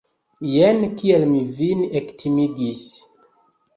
Jen kiel mi vin ektimigis!